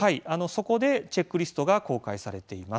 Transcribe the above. そこでチェックリストが公開されています。